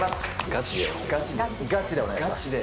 ガチで。